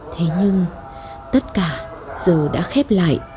thế nhưng tất cả giờ đã khép lại